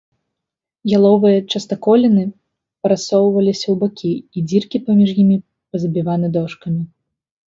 Яловыя частаколіны парассоўваліся ў бакі, і дзіркі паміж імі пазабіваны дошкамі.